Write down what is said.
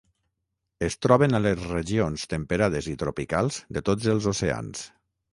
Es troben a les regions temperades i tropicals de tots els oceans.